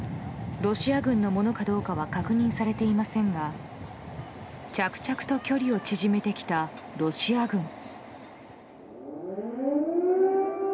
ロシア軍のものかどうかは確認されていませんが着々と距離を縮めてきたロシア軍。